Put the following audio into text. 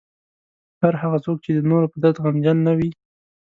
هر هغه څوک چې د نورو په درد غمجن نه وي.